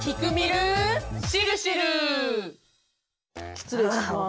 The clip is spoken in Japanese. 失礼します。